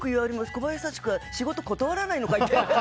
小林幸子は仕事断らないのかいって。